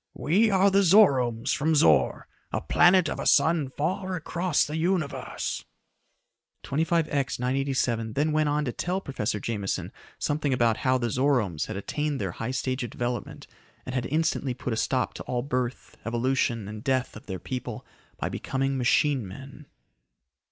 "We are the Zoromes from Zor, a planet of a sun far across the Universe." 25X 987 then went on to tell Professor Jameson something about how the Zoromes had attained their high stage of development and had instantly put a stop to all birth, evolution and death of their people, by becoming machine men.